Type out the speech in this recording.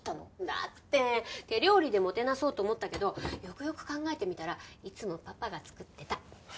だって手料理でもてなそうと思ったけどよくよく考えてみたらいつもパパが作ってた。